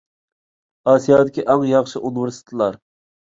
ئاسىيادىكى ئەڭ ياخشى ئۇنىۋېرسىتېتلار.